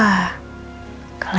mbak andien gak payah lupa